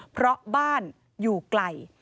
เพราะบ้านอยู่ไกล